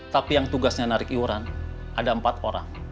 tapi yang tugasnya narik iuran ada empat orang